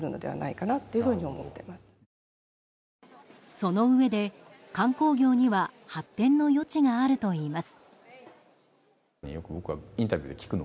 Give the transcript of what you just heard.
そのうえで観光業には発展の余地があるといいます。